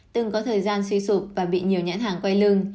từng có thời gian suy sụp và bị nhiều nhãn hàng quay lưng